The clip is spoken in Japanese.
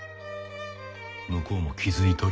向こうも気づいとる。